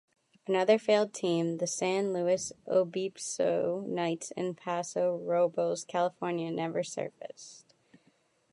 Another failed team, the San Luis Obispo Knights in Paso Robles, California, never surfaced.